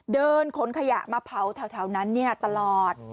เดินขนขยะมาเผาแถวนั้นตลอด